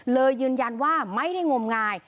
เลยยืนยันว่าไม่ได้งมงาย